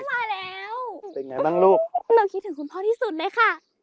มาแล้วเป็นไงบ้างลูกหนูคิดถึงคุณพ่อที่สุดเลยค่ะ